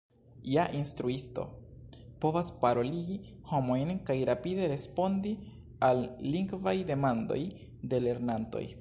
Ja instruisto povas paroligi homojn kaj rapide respondi al lingvaj demandoj de lernantoj.